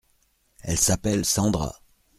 Elle s’appelle Sandra.